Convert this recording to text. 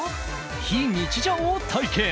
非日常を体験！